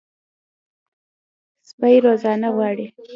سپي روزنه غواړي.